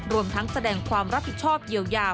รวมทั้งแสดงความรับผิดชอบเยียวยา